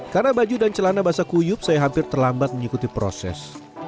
karena baju dan celana basah kuyup saya hampir terlambat mengikuti proses